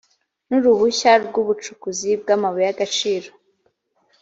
n uruhushya rw ubucukuzi bw amabuye y agaciro